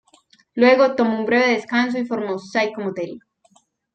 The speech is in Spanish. Luego tomó un breve descanso y formó Psycho Motel.